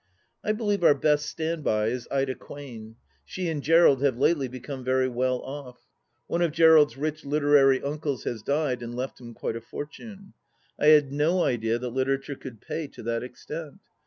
I believe our best stand by is Ida Quain. She and Gerald have lately become very well off. One of Gerald's rich literary imcles has died and left him quite a fortune. I had no idea that literature could pay to that extent